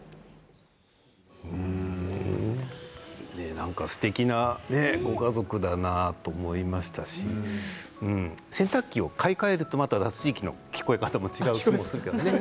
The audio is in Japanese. なんかすてきなご家族だなと思いましたし洗濯機を買い替えると脱水機の聞こえ方もまた違う気もするけどね。